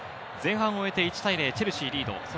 前半を終えて１対０、チェルシーリード。